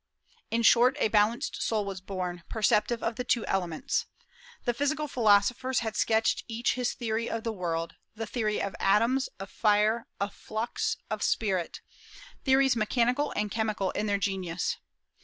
In short, a balanced soul was born, perceptive of the two elements.... The physical philosophers had sketched each his theory of the world; the theory of atoms, of fire, of flux, of spirit, theories mechanical and chemical in their genius.